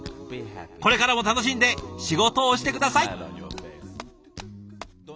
これからも楽しんで仕事をして下さい！